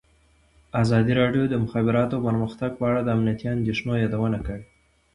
ازادي راډیو د د مخابراتو پرمختګ په اړه د امنیتي اندېښنو یادونه کړې.